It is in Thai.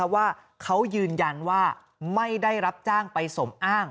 ว่าเขายืนยันว่าไม่ได้รับจ้างไปสมอ้าง